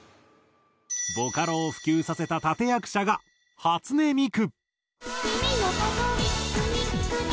ボカロを普及させた立役者が初音ミク。